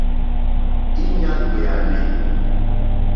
Íɲá ɡbèànè.